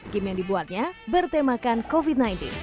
game yang dibuatnya bertemakan covid sembilan belas